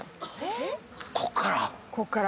こっから？